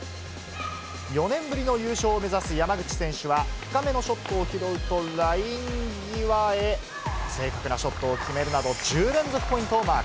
４年ぶりの優勝を目指す山口選手は、深めのショットを拾うとライン際へ正確なショットを決めるなど、１０連続ポイントをマーク。